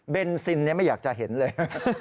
ซินไม่อยากจะเห็นเลย